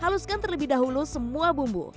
haluskan terlebih dahulu semua bumbu